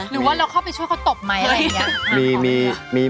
หรือว่าเราเข้าไปช่วยเขาตบไหมอะไรอย่างนี้